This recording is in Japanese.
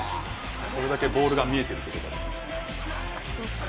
それだけボールが見えているということです。